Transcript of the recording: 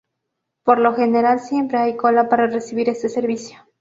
Por lo general siempre hay cola para recibir este servicio.